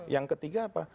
yang ketiga apa